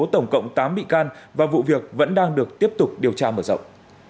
tổng cộng tám bị can và vụ việc vẫn đang được tiếp tục điều tra mở rộng